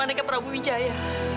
anak anak prabu wijaya